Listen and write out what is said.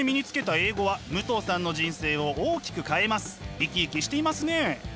生き生きしていますね。